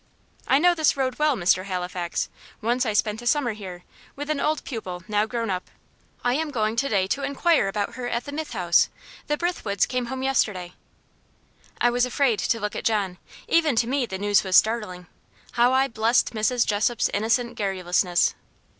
"I know this road well, Mr. Halifax. Once I spent a summer here, with an old pupil, now grown up. I am going to day to inquire about her at the Mythe House. The Brithwoods came home yesterday." I was afraid to look at John. Even to me the news was startling. How I blessed Mrs. Jessop's innocent garrulousness.